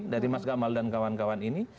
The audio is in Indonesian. dari mas gamal dan kawan kawan ini